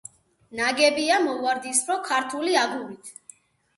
ნაგებია მოვარდისფრო „ქართული აგურით“.